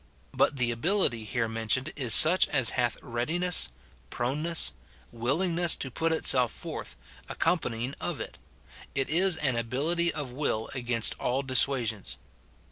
But the ability here mentioned is such as hath readiness, proneness, willingness to put itself forth, accompanying of it ; it is an ability of will against all dissuasions.